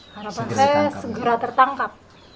harapan saya segera tertangkap